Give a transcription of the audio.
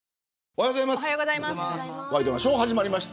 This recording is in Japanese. おはようございます。